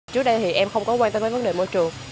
trước đây thì em không có quan tâm tới vấn đề môi trường